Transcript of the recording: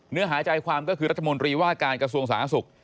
เนื้อหายใจความก็คือรัฐมนตรีว่าการกระทรวงสาธารณสุข